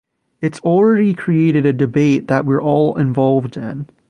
It's already created a debate that we're all involved in.